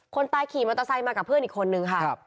คนตายขี่มอเตอร์ไซค์มากับเพื่อนอีกคนนึงค่ะ